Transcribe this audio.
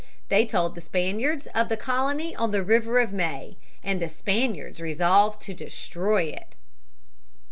They told the Spaniards of the colony on the River of May, and the Spaniards resolved to destroy it.